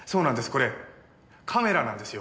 これカメラなんですよ。